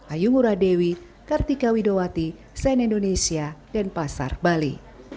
ayu muradewi kartika widowati sen indonesia dan pasar bali